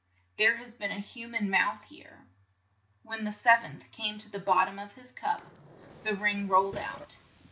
There has been a hu man mouth here." When the sev enth came to the bot tom of his cup, the ring rolled out.